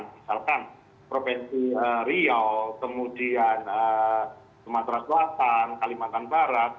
misalkan provinsi riau kemudian sumatera selatan kalimantan barat